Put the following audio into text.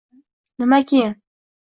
– Nima “keyin”?